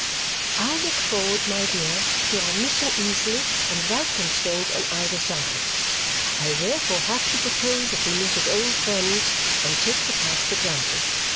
I look forward, my dear, to our meeting easily and without constraint on either side. I therefore have to propose that we meet as old friends and take the past for granted.